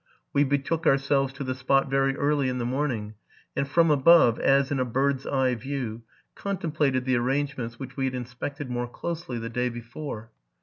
We betook ourselves to the spot very early in the morning, and from above, as in a bird's eye view, contem plated the arrangements which we had inspected more closely the day before.